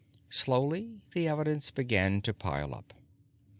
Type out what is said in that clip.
Slowly, the evidence began to pile up.